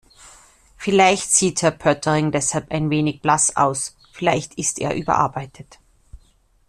Vielleicht sieht Herr Poettering deshalb ein wenig blass aus, vielleicht ist er überarbeitet.